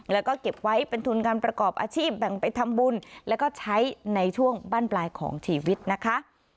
แล้วก็เก็บไว้เป็นทุนการประกอบอาชีพแบ่งไปทำบุญแล้วก็ใช้ในช่วงบ้านปลายของชีวิตนะคะ